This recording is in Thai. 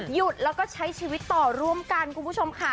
หยุดแล้วก็ใช้ชีวิตต่อร่วมกันคุณผู้ชมค่ะ